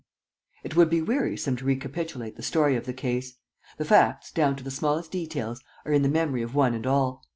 It would be wearisome to recapitulate the story of the case: the facts, down to the smallest details, are in the memory of one and all.